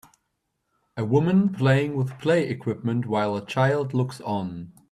A woman playing with play equipment while a child looks on.